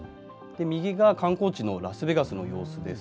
右が観光地のラスベガスの様子です。